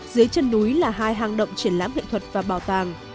dưới chân núi là hai hang động triển lãm nghệ thuật và bảo tàng